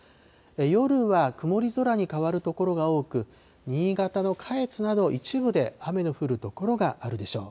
夜は曇り空に変わる所が多く、新潟の下越など一部で雨の降る所があるでしょう。